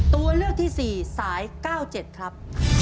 ตัวเลือกที่๔สาย๙๗ครับ